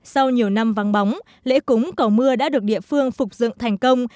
sau nhiều năm vắng bóng lễ cúng cầu mưa đã được địa phương phục dựng thành công